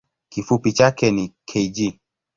Kifupi chake ni kg.